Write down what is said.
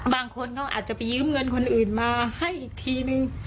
บางคนเขาอาจจะไปยืมเงินคนอื่นมาให้อีกทีนึง